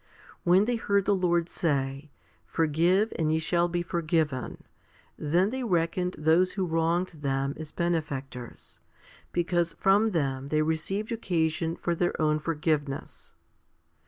When they heard the Lord say, Forgive, and ye shall be forgiven, 2 then they reckoned those who wronged them as benefactors, because from them they received occasion for their own forgiveness.